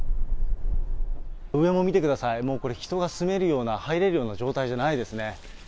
上も見てください、もうこれ人が住めるような、入れるような状態じゃないですね。